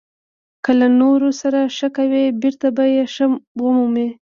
• که له نورو سره ښه کوې، بېرته به یې ښه ومومې.